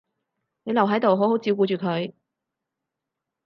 你留喺度好好照顧住佢